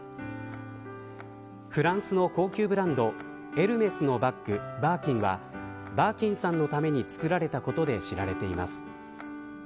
フランスの高級ブランドエルメスのバッグ、バーキンはバーキンさんのために作られたことで知られています。